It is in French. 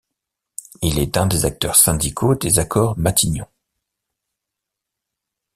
Il est un des acteurs syndicaux des Accords Matignon.